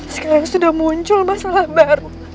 sekarang sudah muncul masalah baru